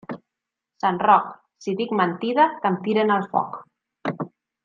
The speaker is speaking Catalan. Sant Roc, si dic mentida, que em tiren al foc.